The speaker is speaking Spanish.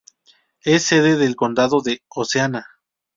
Es sede del condado de Oceana.